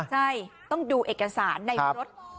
ใช่ต้องดูเอกสารในรถ